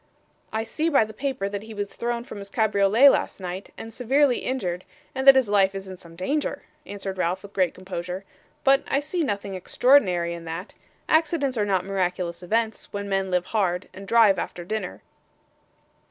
'I see by the paper that he was thrown from his cabriolet last night, and severely injured, and that his life is in some danger,' answered Ralph with great composure; 'but I see nothing extraordinary in that accidents are not miraculous events, when men live hard, and drive after dinner.